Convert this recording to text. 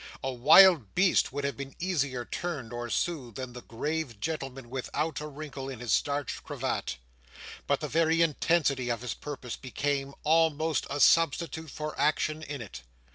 A wild beast would have been easier turned or soothed than the grave gentleman without a wrinkle in his starched cravat. But the very intensity of his purpose became almost a substitute for action in it.